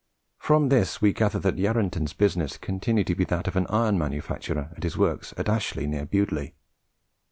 From this we gather that Yarranton's business continued to be that of an iron manufacturer at his works at Ashley near Bewdley.